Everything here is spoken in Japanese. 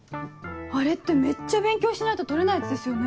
あれってめっちゃ勉強しないと取れないやつですよね。